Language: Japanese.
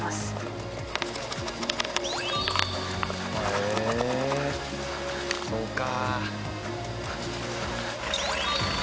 へえそうか。